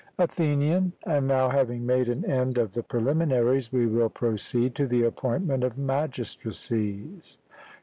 ATHENIAN: And now having made an end of the preliminaries we will proceed to the appointment of magistracies.